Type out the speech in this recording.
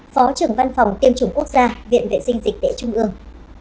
phó trưởng văn phòng tiêm chủng quốc gia viện vệ sinh dịch vệ trung ương